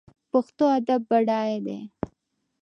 پښتو ادب بډای دی